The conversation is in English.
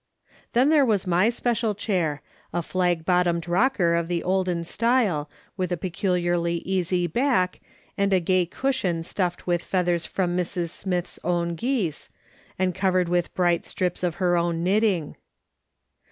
Then there was my special chair, a flag bottomed rocker of the olden style, with a peculiarly easy back, and a gay cushion stuffed with feathers from Mrs. Smith's own geese, and covered with bright strips of her own knitting.